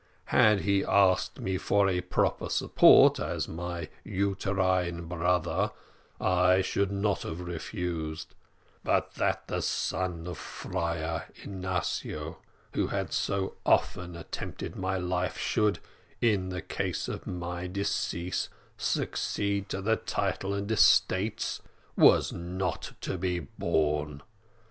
Had he asked me for a proper support, as my uterine brother, I should not have refused; but that the son of Friar Ignatio, who had so often attempted my life, should, in case of my decease, succeed to the title and estates, was not to be borne.